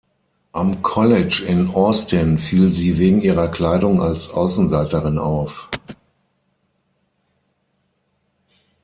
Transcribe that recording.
Am College in Austin fiel sie wegen ihrer Kleidung als Außenseiterin auf.